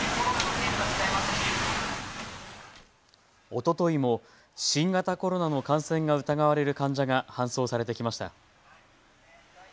おとといも新型コロナの感染が疑われる患者が搬送されてきました。